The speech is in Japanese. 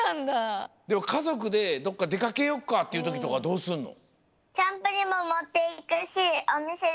でもかぞくでどっかでかけよっかっていうときとかどうすんの？